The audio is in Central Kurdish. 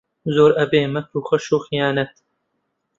زۆر ئەبێ مەکر و غەش و خەیانەت